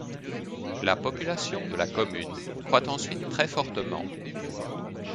La population de la commune croît ensuite très fortement.